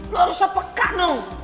lo harus sepekat dong